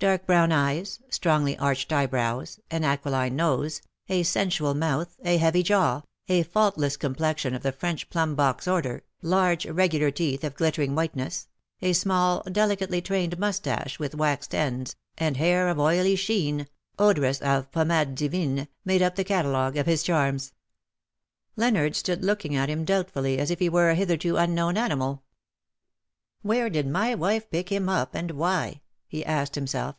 Dark brown eyes, strongly arched eyebrows, an aquiline nose, a sensual mouth, a heavy jaw, a faultless complexion of the French plum box order, large regular teeth of glittering whiteness, a small delicately trained moustache with waxed ends, and hair of oily sheen, odorous of pommade divine j made up the catalogue of his charms. Leonard stood looking at him doubtfully, as if he were a hitherto unknown animal. "Where did my wife pick him up, and why?^' he asked himself.